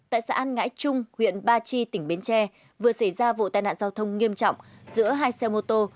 tại xã an ngãi trung huyện ba chi tỉnh bến tre vừa xảy ra vụ tai nạn giao thông nghiêm trọng giữa hai xe mô tô